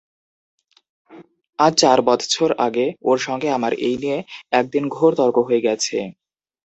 আজ চার বৎসর আগে ওর সঙ্গে আমার এই নিয়ে একদিন ঘোর তর্ক হয়ে গেছে।